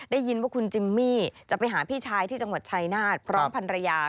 ได้ยินว่าคุณจิมมี่จะไปหาพี่ชายที่จังหวัดชายนาฏพร้อมพันรยา